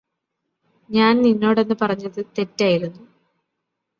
ഞാൻ നിന്നോടന്ന് പറഞ്ഞത് തെറ്റായിരുന്നു.